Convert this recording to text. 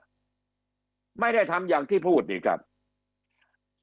คำอภิปรายของสอสอพักเก้าไกลคนหนึ่ง